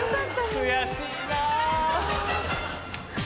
悔しいな。